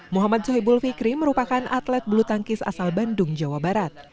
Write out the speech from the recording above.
muhammad sohibul fikri merupakan atlet bulu tangkis asal bandung jawa barat